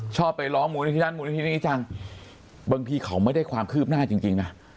ชอบไปร้องมูลนิธินั้นมูลนิธินี้จังบางทีเขาไม่ได้ความคืบหน้าจริงนะ